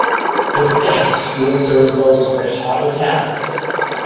His death was the result of a heart attack.